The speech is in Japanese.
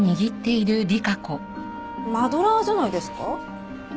マドラーじゃないですか？